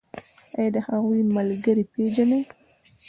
ایا د هغوی ملګري پیژنئ؟